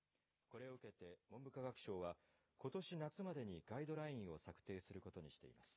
これを受けて、文部科学省はことし夏までにガイドラインを策定することにしています。